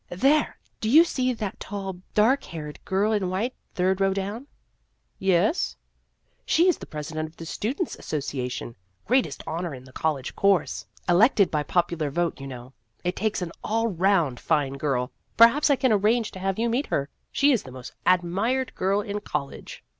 " There do you see that tall dark haired girl in white, third row down ?" "Yes." " She is the president of the Students' Association. Greatest honor in the college course ! Elected by popular vote, you know. It takes an all round fine girl. Per haps I can arrange to have you meet her. She is the most admired girl in college."